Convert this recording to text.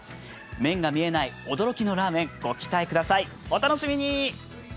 麺が見えない驚きのラーメン、ご期待ください、お楽しみに！